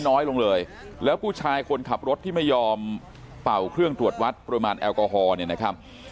น้อยลงเลยแล้วผู้ชายคนขับรถที่ไม่ยอมเป่าเครื่องตรวจวัดปริมาณแอลกอฮอล์เนี่ยนะครับ